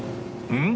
うん。